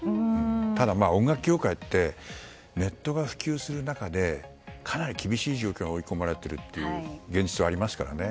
ただ、音楽業界はネットが普及する中でかなり厳しい状況に追い込まれているという現実がありますからね。